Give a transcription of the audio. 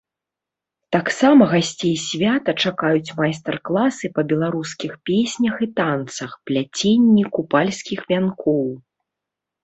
Таксама гасцей свята чакаюць майстар-класы па беларускіх песнях і танцах, пляценні купальскіх вянкоў.